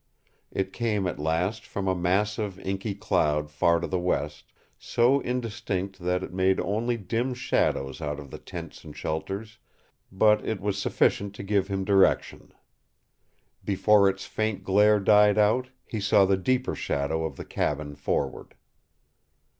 It came at last from a mass of inky cloud far to the west, so indistinct that it made only dim shadows out of the tents and shelters, but it was sufficient to give him direction. Before its faint glare died out, he saw the deeper shadow of the cabin forward.